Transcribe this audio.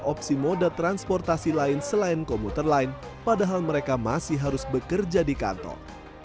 opsi moda transportasi lain selain komuter lain padahal mereka masih harus bekerja di kantor